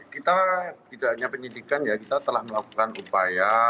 kita tidak hanya penyidikan ya kita telah melakukan upaya